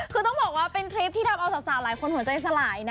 คือต้องบอกว่าเป็นคลิปที่ทำเอาสาวหลายคนหัวใจสลายนะ